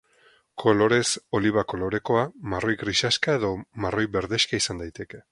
Kolorez oliba kolorekoa, marroi grisaxka edo marroi berdexka izan daiteke.